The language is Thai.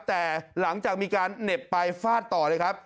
แต่หลังจากมีการเหน็บไปฟาดต่อเลยครับ